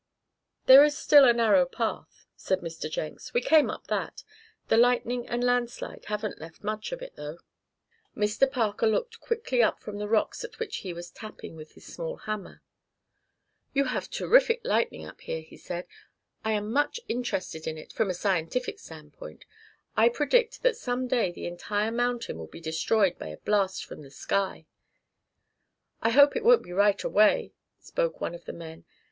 "There is still a narrow path," said Mr. Jenks. "We came up that the lightning and landslide haven't left much of it, though." Mr. Parker looked quickly up from the rocks at which he was tapping with his small hammer. "You have terrific lightning up here," he said. "I am much interested in it, from a scientific standpoint. I predict that some day the entire mountain will be destroyed by a blast from the sky." "I hope it won't be right away," spoke one of the men.